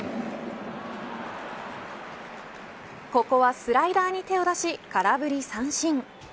ここはスライダーに手を出し空振り三振。